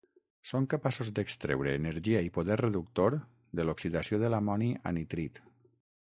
Són capaços d'extreure energia i poder reductor de l'oxidació de l'amoni a nitrit.